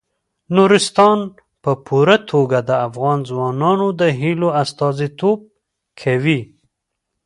نورستان په پوره توګه د افغان ځوانانو د هیلو استازیتوب کوي.